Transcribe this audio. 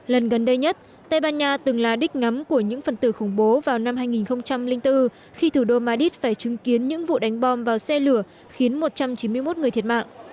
lần gần đây nhất tây ban nha từng là đích ngắm của những phần tử khủng bố vào năm hai nghìn bốn khi thủ đô madid phải chứng kiến những vụ đánh bom vào xe lửa khiến một trăm chín mươi một người thiệt mạng